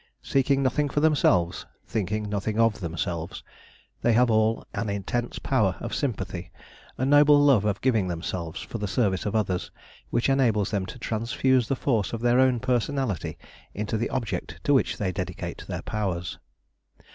Seeking nothing for themselves, thinking nothing of themselves, they have all an intense power of sympathy, a noble love of giving themselves for the service of others, which enables them to transfuse the force of their own personality into the object to which they dedicate their powers.